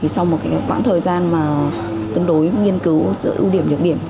sau một khoảng thời gian tương đối nghiên cứu giữa ưu điểm và nhượng điểm